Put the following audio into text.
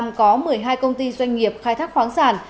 là một công ty doanh nghiệp khai thác khoáng sản